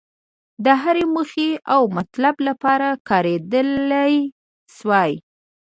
د هرې موخې او مطلب لپاره کارېدلای شوای.